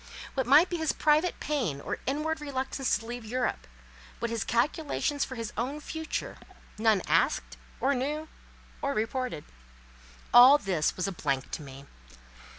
What might be his private pain or inward reluctance to leave Europe—what his calculations for his own future—none asked, or knew, or reported. All this was a blank to me.